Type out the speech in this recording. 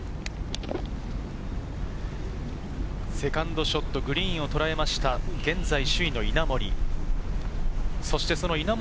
セカンドショット、グリーンをとらえました、現在首位の稲森。